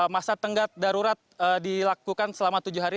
masa tenggat darurat dilakukan selama tujuh hari